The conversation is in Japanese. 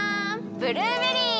ブルーベリー！